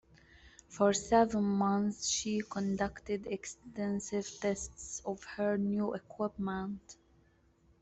For seven months she conducted extensive tests of her new equipment.